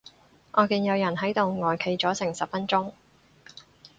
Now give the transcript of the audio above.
我見有人喺度呆企咗成十分鐘